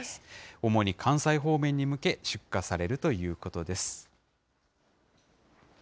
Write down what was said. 主に関西方面に向け出荷されるということです。